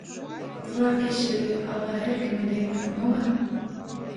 Suratkeşligi Alla her kime deň berenog-a.